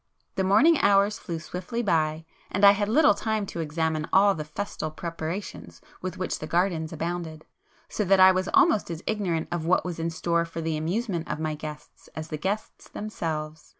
The morning hours flew swiftly by, and I had little time to examine all the festal preparations with which the gardens abounded,—so that I was almost as ignorant of what was in store for the amusement of my guests as the guests themselves.